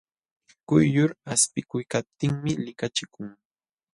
Quyllur aspikuykaptinmi likachikun.